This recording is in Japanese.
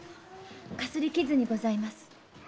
かすり傷にございます。